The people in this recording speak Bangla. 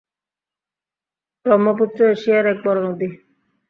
ব্রহ্মপুত্র এশিয়ার এক বড় নদী।